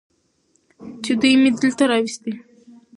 چې دوي مې دلته راوستي.